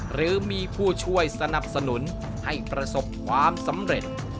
หรือมีผู้ช่วยสนับสนุนให้ประสบความสำเร็จ